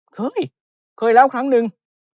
เคยเคยแล้วครั้งนึง